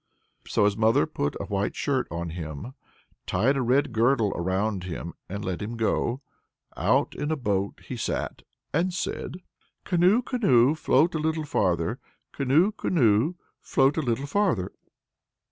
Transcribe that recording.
So his mother put a white shirt on him, tied a red girdle round him, and let him go. Out in a boat he sat and said: Canoe, canoe, float a little farther, Canoe, canoe, float a little farther!